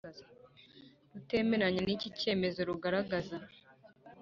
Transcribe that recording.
rutemeranya n’ iki cyemezoRugaragaza